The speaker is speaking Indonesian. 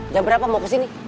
jam berapa mau kesini